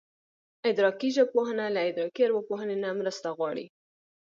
ادراکي ژبپوهنه له ادراکي ارواپوهنې نه مرسته غواړي